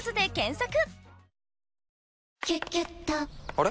あれ？